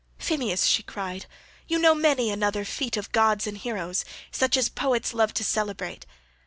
"Phemius," she cried, "you know many another feat of gods and heroes, such as poets love to celebrate.